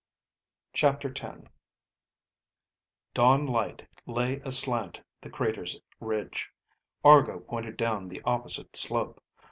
CHAPTER X Dawn light lay a slant the crater's ridge. Argo pointed down the opposite slope.